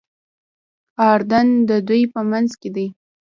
اردن د دوی په منځ کې دی.